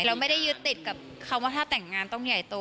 เราไม่ได้ยึดติดกับคำว่าถ้าแต่งงานต้องใหญ่โต